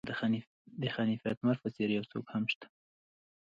د حنیف اتمر په څېر یو څوک هم شته.